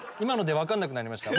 分からなくなりました。